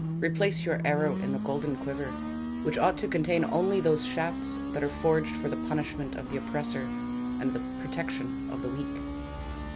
Replace your arrow in the golden quiver, which ought to contain only those shafts that are forged for the punishment of the oppressor and the protection of the weak."